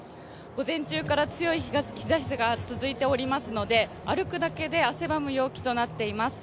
午前中から強い日ざしが続いておりますので歩くだけで汗ばむ陽気となっています。